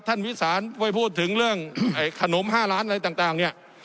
ท่านวิสานไปพูดถึงเรื่องไอขนมห้าร้านอะไรต่างต่างเนี่ย